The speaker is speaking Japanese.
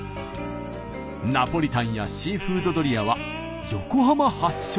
ナポリタンやシーフードドリアは横浜発祥なんです。